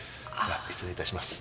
失礼致します。